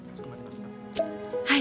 「はい」。